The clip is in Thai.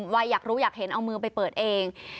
วัยอยากรู้อยากเห็นเอามือไปเปิดเอง